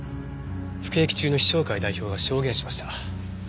服役中の陽尚会代表が証言しました。